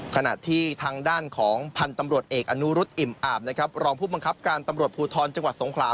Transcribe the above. ขณะที่ทางด้านของพันธุ์ตำรวจเอกอนุรุษอิ่มอาบนะครับรองผู้บังคับการตำรวจภูทรจังหวัดสงขลา